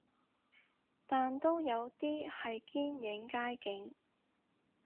但都有啲係堅影街景